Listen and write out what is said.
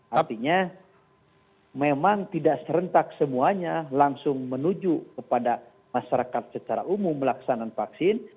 artinya memang tidak serentak semuanya langsung menuju kepada masyarakat secara umum melaksanakan vaksin